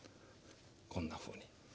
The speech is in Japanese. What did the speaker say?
こんなふうに。